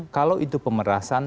kalau itu pemerasan